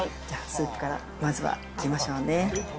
じゃあ、スープからまずはいきましょうね。